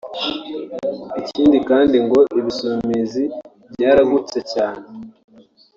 Ikindi kandi ngo Ibisumizi byaragutse cyane